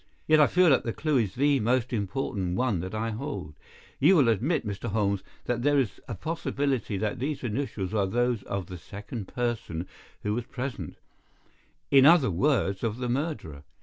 Yet I feel that the clue is the most important one that I hold. You will admit, Mr. Holmes, that there is a possibility that these initials are those of the second person who was present—in other words, of the murderer.